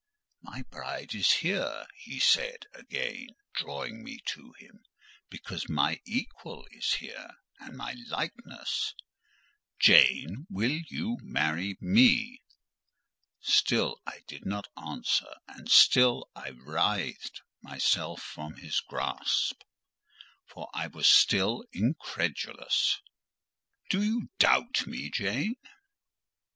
"My bride is here," he said, again drawing me to him, "because my equal is here, and my likeness. Jane, will you marry me?" Still I did not answer, and still I writhed myself from his grasp: for I was still incredulous. "Do you doubt me, Jane?"